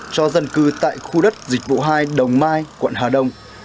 cho dân cư tại khu đất dịch vụ hai đồng mai quận hà đông